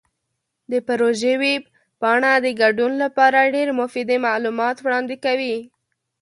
د پروژې ویب پاڼه د ګډون لپاره ډیرې مفیدې معلومات وړاندې کوي.